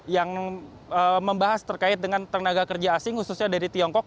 yang membahas terkait dengan tenaga kerja asing khususnya dari tiongkok